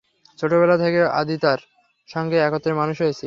ছেলেবেলা থেকে আদিতদার সঙ্গে একত্রে মানুষ হয়েছি।